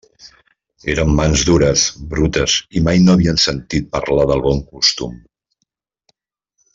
Eren mans dures, brutes, i mai no havien sentit parlar del bon costum.